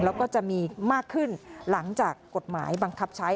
แล้วก็จะมีมากขึ้นหลังจากกฎหมายบังคับใช้